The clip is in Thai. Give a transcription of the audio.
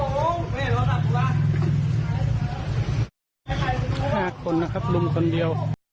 หัวดูลาย